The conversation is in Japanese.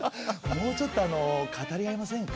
もうちょっと語り合いませんか？